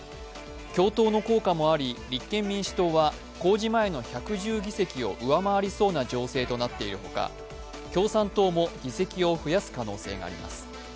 共闘の効果もあり立憲民主党は公示前の１１０議席を上回りそうな情勢となっているほか、共産党も議席を増やす可能性があります。